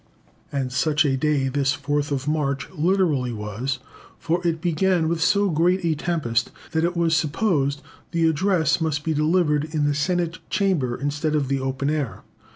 And such a day this 4th of March literally was, for it began with so great a tempest that it was supposed the address must be delivered in the Senate Chamber instead of the open air.